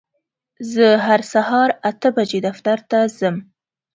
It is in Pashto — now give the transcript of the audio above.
زه هر سهار اته بجې دفتر ته ځم.